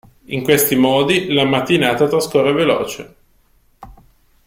In questi modi, la mattinata trascorse veloce.